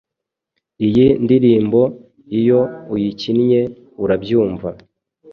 Iyi ndirimbo iyo uyikinnye urabyumva